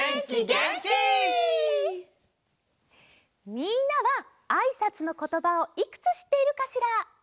みんなはあいさつのことばをいくつしっているかしら？